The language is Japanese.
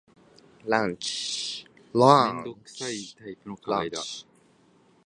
ランチ